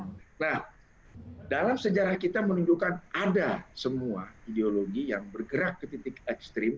nah dalam sejarah kita menunjukkan ada semua ideologi yang bergerak ke titik ekstrim